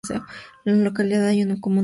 En la localidad hay una comunidad guaraní.